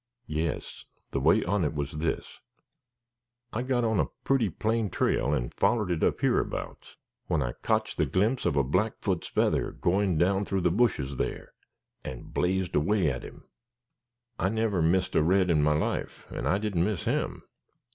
"Yes; the way on it was this: I got on a purty plain trail and follered it up hereabouts, when I cotched the glimpse of a Blackfoot's feather goin' down through the bushes there, and blazed away at him. I never missed a red in my life, and I didn't miss him.